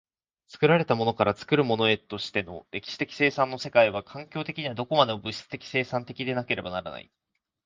作られたものから作るものへとしての歴史的生産の世界は、環境的にはどこまでも物質的生産的でなければならない。